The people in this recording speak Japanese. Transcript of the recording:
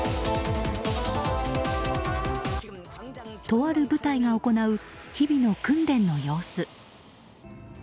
とある部隊が行う日々の訓練の様子。